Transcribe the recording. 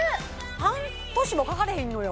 半年もかからへんのよ